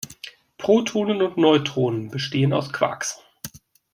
Protonen und Neutronen bestehen aus Quarks.